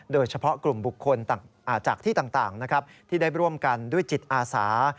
โดยเฉพาะกลุ่มบุคคลจากที่ต่างที่ได้ร่วมกันด้วยจิตอาสา